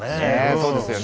そうですよね。